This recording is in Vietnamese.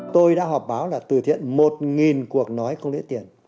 tôi đã họp báo là từ thiện một cuộc nói không lấy tiền